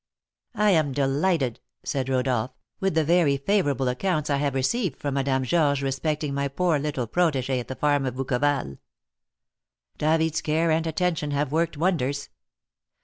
"I am delighted," said Rodolph, "with the very favourable accounts I have received from Madame Georges respecting my poor little protégée at the farm of Bouqueval. David's care and attention have worked wonders.